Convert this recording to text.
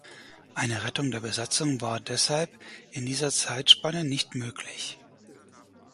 Eine Rettung der Besatzung war deshalb in dieser Zeitspanne nicht möglich.